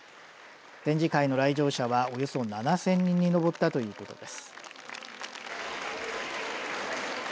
展示会の来場者はおよそ７０００人に上ったということです。